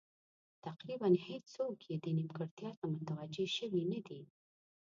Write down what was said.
تقریبا هېڅوک یې دې نیمګړتیا ته متوجه شوي نه دي.